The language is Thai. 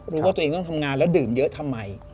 รู้ว่าตัวเองต้องทำงานแล้วดื่มเยอะทำไม